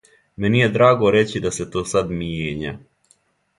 Мени је драго рећи да се то сад мијења.